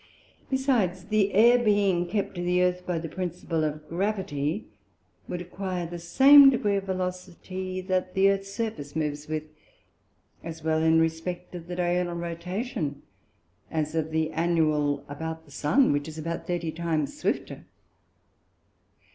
Besides the Air being kept to the Earth by the Principle of Gravity, would acquire the same degree of Velocity that the Earths Surface moves with, as well in respect of the diurnal Rotation, as of the Annual about the Sun, which is about thirty times swifter.